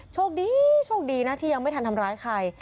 โชคดีโชคดีนะที่ยังไม่ทันทำร้ายใคร